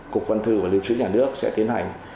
cục văn thư và liêu chữ nhà nước sẽ tiến hành